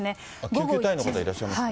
救急隊員の方いらっしゃいますね。